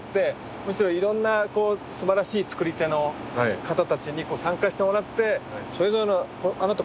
むしろいろんなすばらしい作り手の方たちに参加してもらってそれぞれのあなた